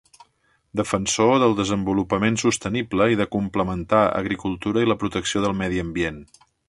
Defensor del desenvolupament sostenible i de complementar agricultura i la protecció del medi ambient.